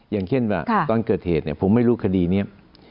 อย่างเช่นแบบตอนเกิดเหตุเนี่ยผมไม่รู้คดีเนี่ย